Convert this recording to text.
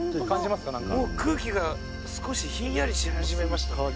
もう空気が少しひんやりし始めました。